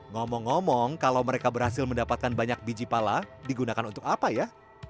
ngomong ngomong kalau mereka berhasil mendapatkan banyak biji pala digunakan untuk apa ya